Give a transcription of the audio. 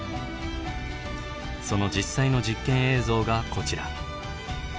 その実際の実験映像がこちら。